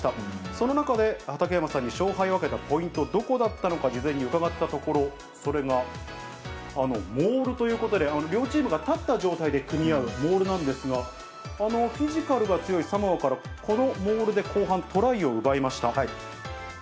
その中で畠山さんに勝敗を分けたポイント、どこだったのか、事前に伺ったところ、それがモールということで、両チームが立った状態で組み合うモールなんですが、フィジカルが強いサモアから、このモールで後半トライを奪いました。